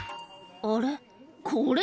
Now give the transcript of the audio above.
「あれ？